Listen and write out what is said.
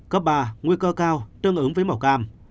cấp ba nguy cơ cao tương ứng với màu cam